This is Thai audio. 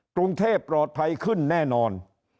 กรุงเทพปลอดภัยขึ้นแน่นอน